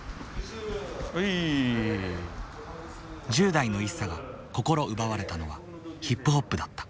１０代のＩＳＳＡが心奪われたのはヒップホップだった。